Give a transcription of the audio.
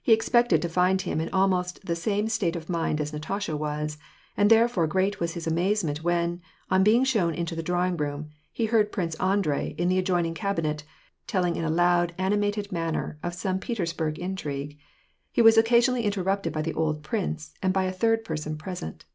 He expected to find him in almost the same state of mind as Natasha was, and therefore great was his amazement when, on being shown into the drawing room, he heard Prince Andrei, in the adjoining cabinet, telling in a loud, animated manner of some Petersburg intrigue. He was occasionally interrupted by the old prince, and by a third person present.